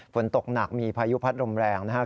ฝนตกหนักมีพายุพัดลมแรงนะครับ